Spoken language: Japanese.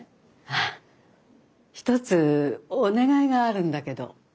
あっ一つお願いがあるんだけど。